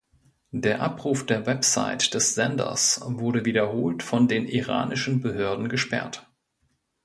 Der Abruf der Website des Senders wurde wiederholt von den iranischen Behörden gesperrt.